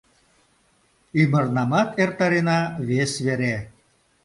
Ӱмырнамат эртарена вес вере.